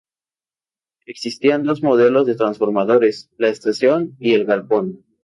Existían dos Modelos de transformadores, La Estación y El Galpón.